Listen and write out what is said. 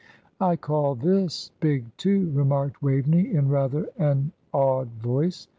"I call this big, too," remarked Waveney, in rather an awed voice.